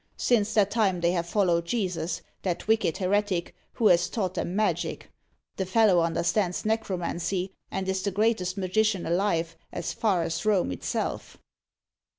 Since that time they have followed Jesus, that wicked heretic, who has taught them magic; the fellow understands necromancy, and is the greatest magician alive, as far as Rome itself.